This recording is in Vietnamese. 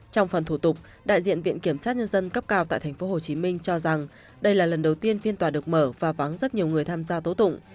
trong phần thủ tục đại diện viện kiểm sát nhân dân cấp cao tại tp hcm cho rằng đây là lần đầu tiên phiên tòa được mở và vắng rất nhiều người tham gia tố tụng